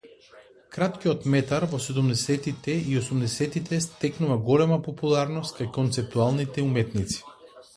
Краткиот метар во седумдесеттите и осумдесеттите стекнува голема популарност кај концептуалните уметници.